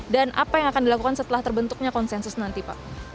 dan apa yang akan dilakukan setelah terbentuknya konsensus nanti pak